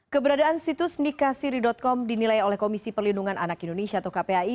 keberadaan situs nikahsiri com dinilai oleh komisi perlindungan anak indonesia atau kpai